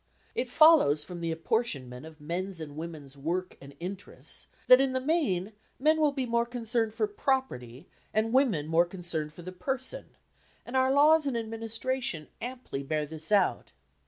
It follows from the apportionment of men's and women's work and interests that in the main men will be more concerned for property and women more concerned for the person, and our laws and administration amply bear this out.